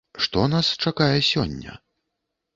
Што нас чакае сёння?